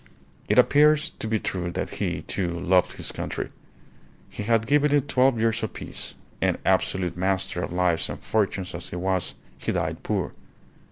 It appears to be true that he, too, loved his country. He had given it twelve years of peace; and, absolute master of lives and fortunes as he was, he died poor.